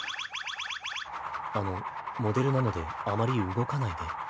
あのモデルなのであまり動かないで。